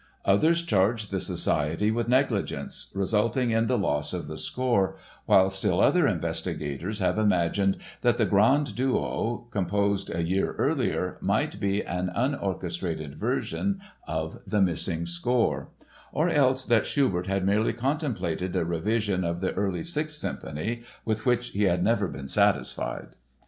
Others charge the Society with negligence resulting in the loss of the score, while still other investigators have imagined that the Grand Duo, composed a year earlier, might be an unorchestrated version of the missing score; or else that Schubert had merely contemplated a revision of the early Sixth Symphony, with which he had never been satisfied.